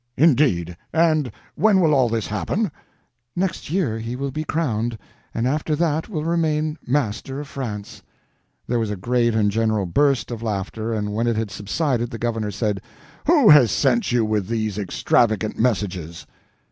"Indeed! And when will all this happen?" "Next year he will be crowned, and after that will remain master of France." There was a great and general burst of laughter, and when it had subsided the governor said: "Who has sent you with these extravagant messages?"